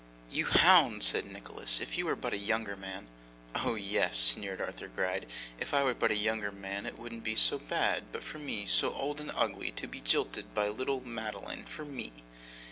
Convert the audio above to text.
'You hound!' said Nicholas. 'If you were but a younger man ' 'Oh yes!' sneered Arthur Gride, 'If I was but a younger man it wouldn't be so bad; but for me, so old and ugly! To be jilted by little Madeline for me!